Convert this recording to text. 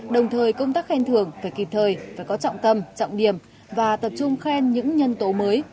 đồng thời công tác khen thưởng phải kịp thời phải có trọng tâm trọng điểm và tập trung khen những nhân tố mới